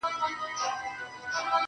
توره، لونگينه، تکه سپينه ياره~